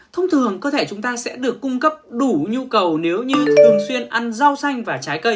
thông thường cơ thể chúng ta sẽ được cung cấp đủ nhu cầu nếu như thường xuyên ăn rau xanh và trái cây